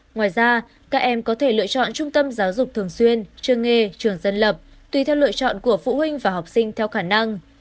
ngoài ra các em có thể lựa chọn trung tâm giáo dục thường xuyên trường nghề trường dân lập tùy theo lựa chọn của phụ huynh và học sinh theo khả năng